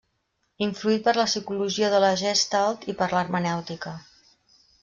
Influït per la psicologia de la Gestalt i per l'hermenèutica.